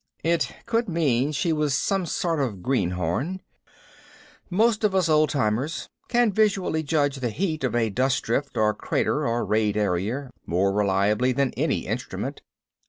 It could mean she was some sort of greenhorn. Most of us old timers can visually judge the heat of a dust drift or crater or rayed area more reliably than any instrument.